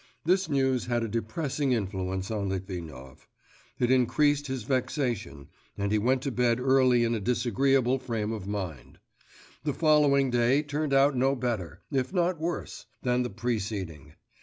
This news had a depressing influence on Litvinov; it increased his vexation, and he went to bed early in a disagreeable frame of mind. The following day turned out no better, if not worse, than the preceding.